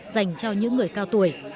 dành cho những người cao tuổi